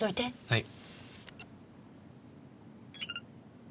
はい。